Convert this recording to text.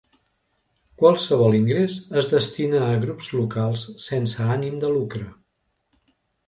Qualsevol ingrés es destina a grups locals sense ànim de lucre.